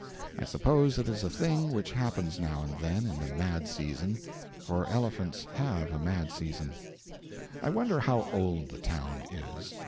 I suppose it is a thing which happens now and then in the mad season (for elephants have a mad season). I wonder how old the town is.